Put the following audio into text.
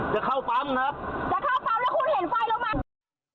จะเข้าปั๊มแล้วคุณเห็นไฟลงมา